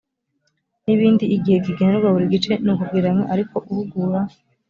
n ibindi igihe kigenerwa buri gice ni ukugereranya ariko uhugura